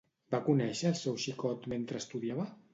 Va conèixer al seu xicot mentre estudiava?